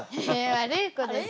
悪い子です。